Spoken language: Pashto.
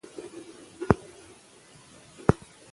هر افغان د جګړې د ورانیو، وینو تویېدو او بدمرغیو شاهد دی.